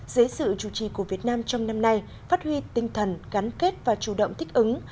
dưới sự chủ trì của việt nam trong năm nay phát huy tinh thần gắn kết và chủ động thích ứng